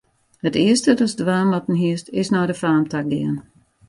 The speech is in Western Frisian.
It earste datst dwaan moatten hiest, is nei de faam ta gean.